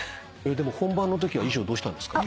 でも本番のときは衣装どうしたんですか？